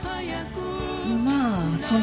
まあそんな感じ。